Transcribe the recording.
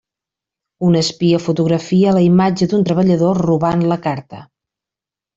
Un espia fotografia la imatge d’un treballador robant la carta.